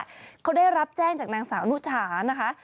เขาได้รับแจ้งจากนางสาวนุชานะคะ